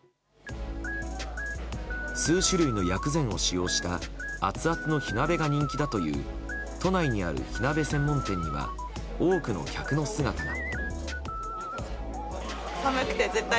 数種類の薬膳を使用したアツアツの火鍋が人気だという都内にある火鍋専門店には多くの客の姿が。